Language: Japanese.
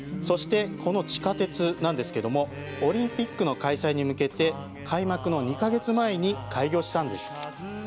そして、この地下鉄なんですがオリンピックの開催に向けて開幕の２か月前に開業したんです。